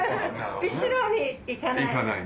後ろに行かない。